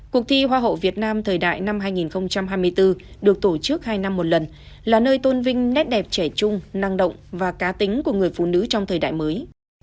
cuộc thi hoa hậu việt nam thời đại năm hai nghìn hai mươi bốn được tổ chức hai năm một lần là nơi tôn vinh nét đẹp trẻ chung năng động và cá tính của người phụ nữ trong thời đại mới